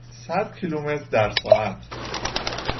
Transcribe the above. صد کیلومتر در ساعت